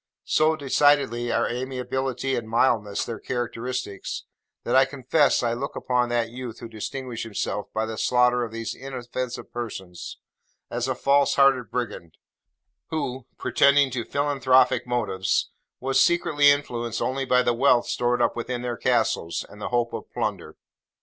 So decidedly are amiability and mildness their characteristics, that I confess I look upon that youth who distinguished himself by the slaughter of these inoffensive persons, as a false hearted brigand, who, pretending to philanthropic motives, was secretly influenced only by the wealth stored up within their castles, and the hope of plunder.